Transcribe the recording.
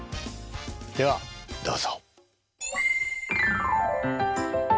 ではどうぞ。